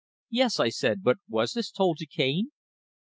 '" "Yes," I said. "But was this told to Cane?"